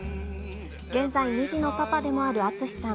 現在２児のパパでもある淳さん。